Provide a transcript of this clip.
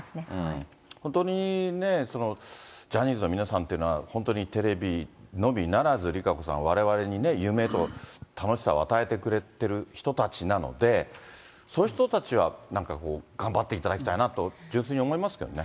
本当にね、ジャニーズの皆さんっていうのは、本当にテレビのみならず、ＲＩＫＡＣＯさん、われわれにね、夢と楽しさを与えてくれてる人たちなので、そういう人たちは、なんかこう、頑張っていただきたいなと、純粋に思いますけどね。